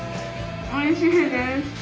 おいしいです！